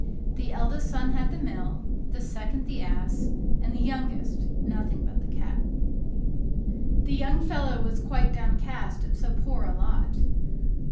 The eldest son had the mill; the second, the ass; and the youngest, nothing but the cat. The young fellow was quite downcast at so poor a lot.